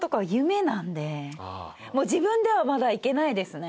自分ではまだ行けないですね。